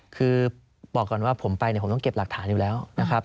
คือบอกก่อนว่าผมไปเนี่ยผมต้องเก็บหลักฐานอยู่แล้วนะครับ